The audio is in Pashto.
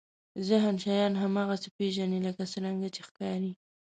ذهن شیان هماغسې پېژني لکه څرنګه چې ښکاري.